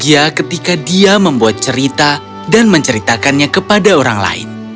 dia ketika dia membuat cerita dan menceritakannya kepada orang lain